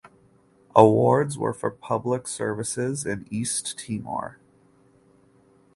Awards were for public services in East Timor.